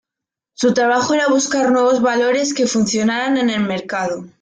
Su trabajo era buscar nuevos valores que funcionaran en el mercado.